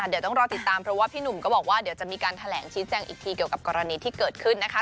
เดี๋ยวต้องรอติดตามเพราะว่าพี่หนุ่มก็บอกว่าเดี๋ยวจะมีการแถลงชี้แจงอีกทีเกี่ยวกับกรณีที่เกิดขึ้นนะคะ